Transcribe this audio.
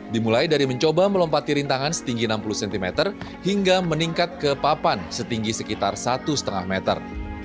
dimulai dari mencoba melompati rintangan setinggi enam puluh cm hingga meningkat ke papan setinggi sekitar satu lima meter